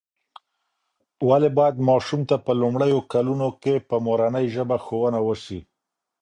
ولې باید ماشوم ته په لومړیو کلونو کې په مورنۍ ژبه ښوونه وسي؟